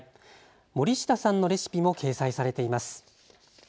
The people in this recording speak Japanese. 森下さんのレシピも掲載されています。